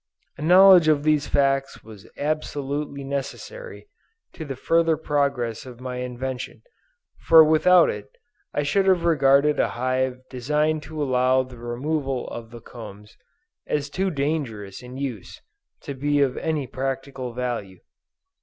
A knowledge of these facts was absolutely necessary to the further progress of my invention, for without it, I should have regarded a hive designed to allow of the removal of the combs, as too dangerous in use, to be of any practical value.